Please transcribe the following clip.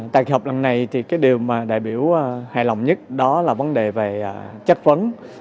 tại kỳ họp lần này thì cái điều mà đại biểu hài lòng nhất đó là vấn đề về chất vấn